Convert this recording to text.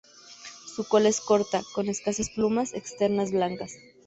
Su cola es corta con escasas plumas externas blancas.